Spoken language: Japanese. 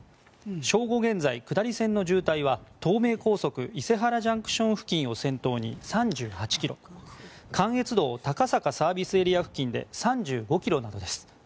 正午現在、下り線の渋滞や東名高速、伊勢原ＪＣＴ付近を先頭に３８ｋｍ関越道、高坂ＳＡ付近で３５ｋｍなどです。